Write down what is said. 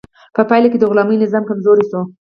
په پایله کې د غلامي نظام کمزوری شو.